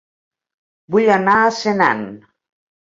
Vull anar a Senan